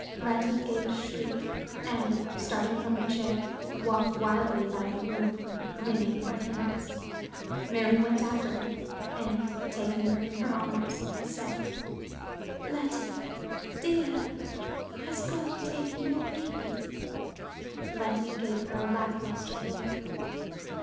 Letty gave a shriek, and, starting from her chair, walked wildly about the room, wringing her hands. Mary went after her, and taking her in her arms, said: "Letty, dear, has God taken your baby?" Letty gave her a lack luster look.